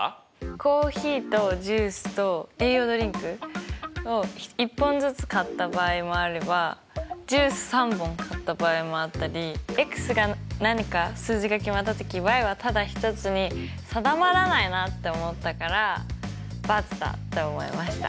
コーヒーとジュースと栄養ドリンクを１本ずつ買った場合もあればジュース３本買った場合もあったりが何か数字が決まった時はただ１つに定まらないなって思ったから×だって思いました。